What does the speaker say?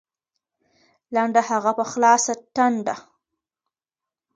لنډه هغه په خلاصه ټنډه